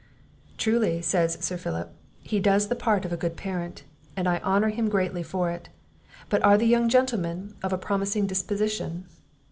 "Truly," says Sir Philip, "he does the part of a good parent, and I honour him greatly for it; but are the young gentlemen of a promising disposition?"